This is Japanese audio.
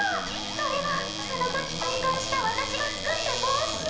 それはあの時こうかんしたわたしが作ったぼうし。